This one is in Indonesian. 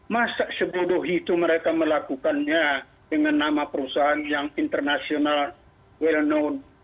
masa sebodoh itu mereka melakukannya dengan nama perusahaan yang international well known